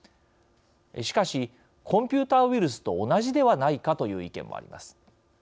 しかしコンピューターウイルスと同じではないかという意見もあります。